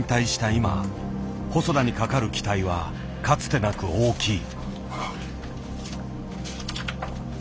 今細田に懸かる期待はかつてなく大きい。